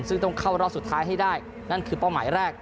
ซึ่งต้องเข้ารอบสุดท้ายให้ได้นั่นคือเป้าหมายแรก